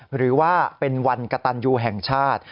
หรือว่าเป็นวันกระตันยูแห่งชาติ